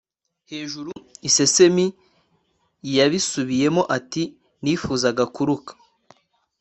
hejuru. isesemi. yabisubiyemo ati nifuzaga kuruhuka